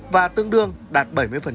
và tương đương đạt bảy mươi